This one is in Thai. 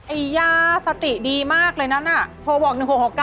ไอ้ยาสติดีมากเลยนั้นโทรบอก๑๖๖๙